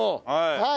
はい！